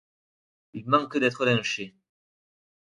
Il manque d’être lynché.